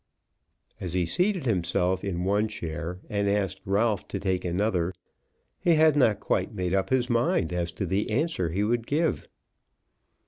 As he seated himself in one chair and asked Ralph to take another, he had not quite made up his mind as to the answer he would give.